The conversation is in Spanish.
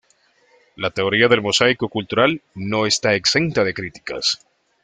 La teoría del mosaico cultural no está exenta de críticas.